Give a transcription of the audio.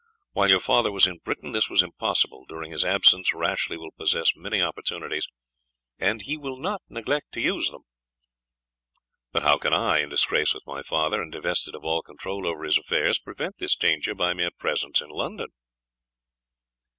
While your father was in Britain this was impossible; during his absence, Rashleigh will possess many opportunities, and he will not neglect to use them." "But how can I, in disgrace with my father, and divested of all control over his affairs, prevent this danger by my mere presence in London?"